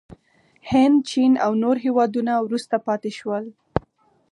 هند، چین او نور هېوادونه وروسته پاتې شول.